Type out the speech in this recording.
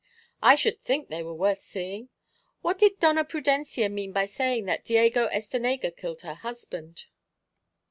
"I should think they were worth seeing. What did Doña Prudencia mean by saying that Diego Estenega killed her husband?"